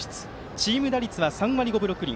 チーム打率は３割５分６厘。